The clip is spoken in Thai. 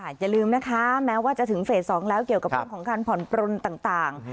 อย่าลืมนะคะแม้ว่าจะถึงเฟส๒แล้วเกี่ยวกับเรื่องของการผ่อนปลนต่าง